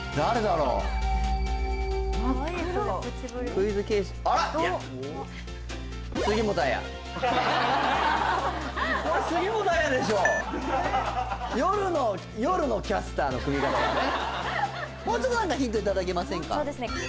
もうちょっと何かヒントいただけませんか？